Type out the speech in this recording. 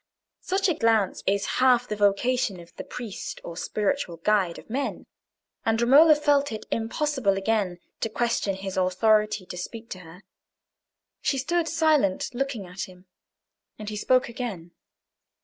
Such a glance is half the vocation of the priest or spiritual guide of men, and Romola felt it impossible again to question his authority to speak to her. She stood silent, looking at him. And he spoke again.